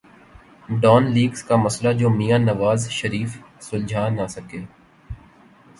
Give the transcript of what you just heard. Dawn leaks کا مسئلہ جو میاں نواز شریف سلجھا نہ سکے۔